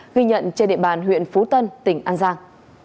ghi nhận trên địa bàn huyện phú tân tỉnh an giang